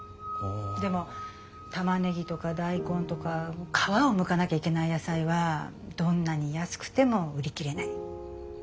でもたまねぎとか大根とか皮をむかなきゃいけない野菜はどんなに安くても売り切れない。